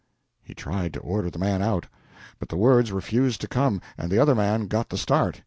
He tried to order the man out, but the words refused to come, and the other man got the start.